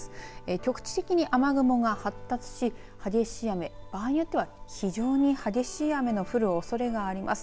一時的に雨雲が発達し激しい雨、場合によっては非常に激しい雨が降るおそれがあります。